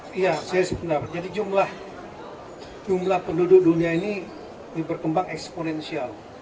pak saya sependapat jadi jumlah penduduk dunia ini berkembang eksponensial